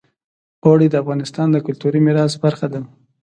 اوړي د افغانستان د کلتوري میراث برخه ده.